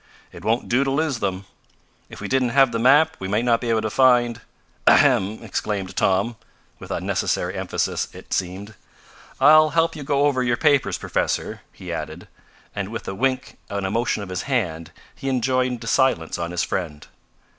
"It won't do to lose them. If we didn't have the map we might not be able to find " "Ahem!" exclaimed Tom, with unnecessary emphasis it seemed. "I'll help you go over your papers, Professor," he added, and with a wink and a motion of his hand, he enjoined silence on his friend.